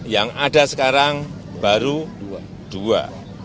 yang ada sekarang baru dua